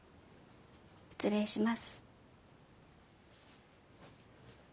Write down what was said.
失礼します。